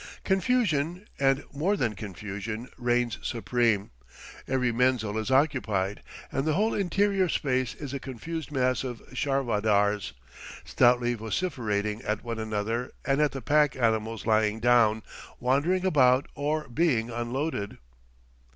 Confusion, and more than confusion, reigns supreme; every menzil is occupied, and the whole interior space is a confused mass of charvadars, stoutly vociferating at one another and at the pack animals lying down, wandering about, or being unloaded.